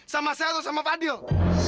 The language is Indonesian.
sama saya atau sama fadil